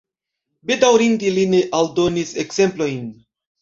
Bedaŭrinde li ne aldonis ekzemplojn.